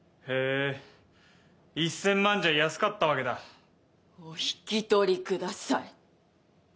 へぇ１０００万じゃ安かったわけだお引き取りください！